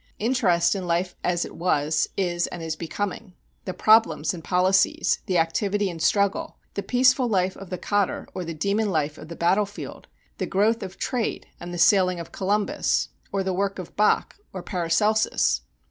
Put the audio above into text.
Interest in life as it was, is, and is becoming: the problems and policies, the activity and struggle, the peaceful life of the cotter or the demon life of the battlefield, the growth of trade and the sailing of Columbus, or the work of Bach or Paracelsus.